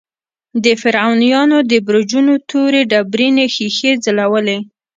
د فرعونیانو د برجونو تورې ډبرینې ښیښې ځلولې.